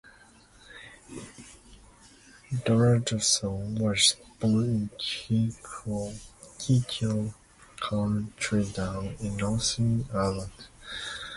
Donaldson was born in Kilkeel, County Down, in Northern Ireland.